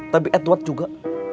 tapi edward juga